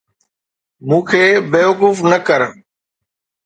مون کي بيوقوف نه ڪر